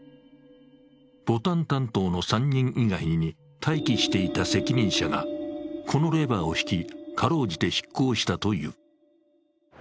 ボタン担当の３人以外に待機していた責任者がこのレバーを引きかろうじて執行したという。